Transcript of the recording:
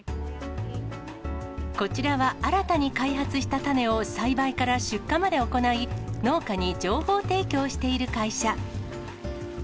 こちらは新たに開発した種を栽培から出荷まで行い、農家に情報提供している会社。